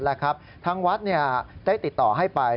ทางวัดได้ติดต่อให้ไป